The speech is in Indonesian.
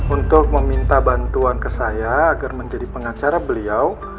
untuk meminta bantuan ke saya agar menjadi pengacara beliau